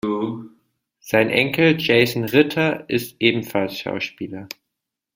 Sein Enkel Jason Ritter ist ebenfalls Schauspieler.